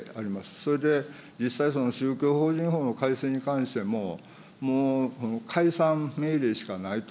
それで実際、宗教法人法の改正に関しても、もう解散命令しかないと。